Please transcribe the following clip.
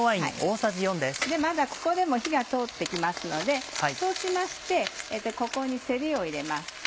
まだここでも火が通って来ますのでそうしましてここにせりを入れます。